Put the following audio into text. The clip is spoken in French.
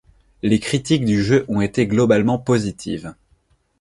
Les critiques du jeu ont été globalement positives.